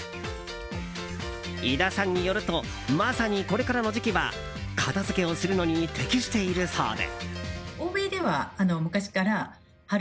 井田さんによるとまさにこれからの時期は片付けをするのに適しているそうで。